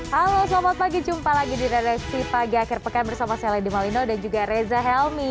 halo selamat pagi jumpa lagi di redaksi pagi akhir pekan bersama saya lady malino dan juga reza helmi